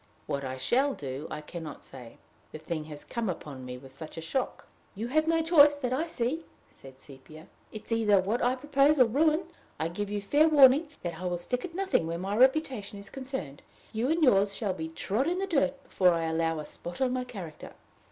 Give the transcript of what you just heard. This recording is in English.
What I shall do I can not say the thing has come upon me with such a shock." "You have no choice that I see," said Sepia. "It is either what I propose or ruin. I give you fair warning that I will stick at nothing where my reputation is concerned. You and yours shall be trod in the dirt before I allow a spot on my character!"